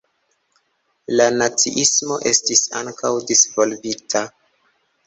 La naciismo estis ankaŭ disvolvita.